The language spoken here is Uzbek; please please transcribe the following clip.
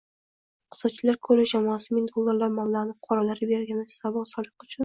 Iqtisodchilar kollej jamoasi ming dollarlab mablag’ni fuqarolarga beriladigan soliq uchun